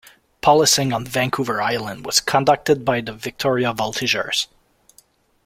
Policing on Vancouver Island was conducted by the Victoria Voltigeurs.